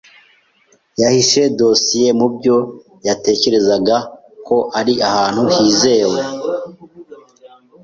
Yahishe dosiye mubyo yatekerezaga ko ari ahantu hizewe.